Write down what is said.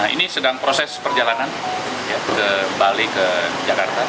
ini sedang proses perjalanan balik ke jakarta